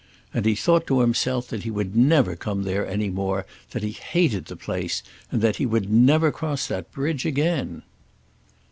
And he thought to himself that he would never come there any more, that he hated the place, and that he would never cross that bridge again.